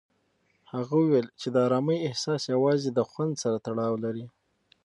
هغه وویل چې د ارامۍ احساس یوازې د خوند سره تړاو لري.